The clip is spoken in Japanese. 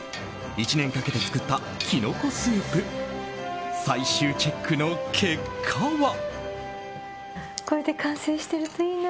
１年かけて作ったキノコスープ最終チェックの結果は？